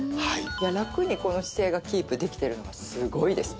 ラクにこの姿勢がキープできてるのがすごいですね。